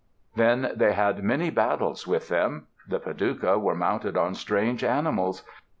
Then they had many battles with them. The Padouca were mounted on strange animals.